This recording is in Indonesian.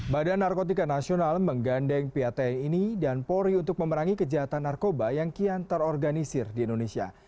badan narkotika nasional menggandeng pat ini dan polri untuk memerangi kejahatan narkoba yang kian terorganisir di indonesia